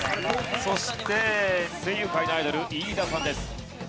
そして声優界のアイドル飯田さんです。